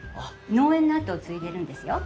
農園の後を継いでるんですよ。